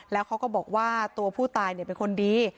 แล้วเขาก็บอกว่าตัวผู้ตายเป็นคนดี